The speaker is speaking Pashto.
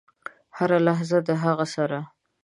هره لحظه د هغه سره .